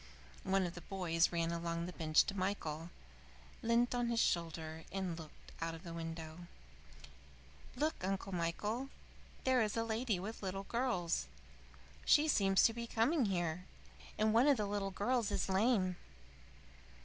One of the boys ran along the bench to Michael, leant on his shoulder, and looked out of the window. "Look, Uncle Michael! There is a lady with little girls! She seems to be coming here. And one of the girls is lame."